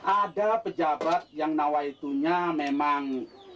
ada pejabat yang nawaitunya memang